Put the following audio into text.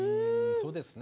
そうですね。